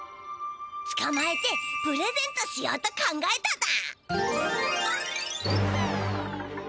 つかまえてプレゼントしようと考えただ。